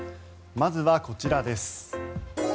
まずはこちらです。